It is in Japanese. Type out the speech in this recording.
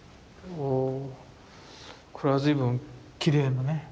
これは随分きれいなね